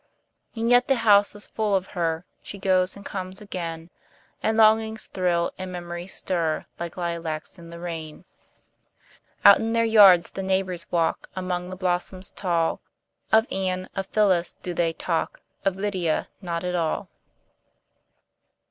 And yet the house is full of her; She goes and comes again; And longings thrill, and memories stir, Like lilacs in the rain. Out in their yards the neighbors walk, Among the blossoms tall; Of Anne, of Phyllis, do they talk, Of Lydia not at all.